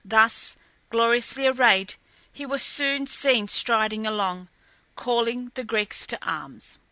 Thus gloriously arrayed he was soon seen striding along, calling the Greeks to arms.